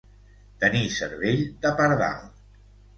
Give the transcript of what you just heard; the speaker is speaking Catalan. Tenir cervell de pardal.